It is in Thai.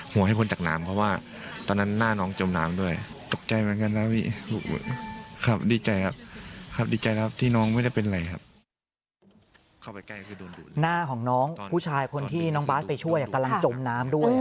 หน้าของน้องผู้ชายคนที่น้องบาสไปช่วยกำลังจมน้ำด้วย